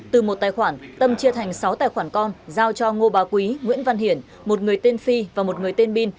từ một tài khoản tâm chia thành sáu tài khoản con giao cho ngô bà quý nguyễn văn hiển một người tên phi và một người tên bin